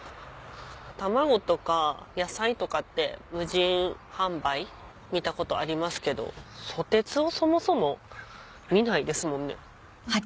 卵とか野菜とかって無人販売見たことありますけどソテツをそもそも見ないですもんね。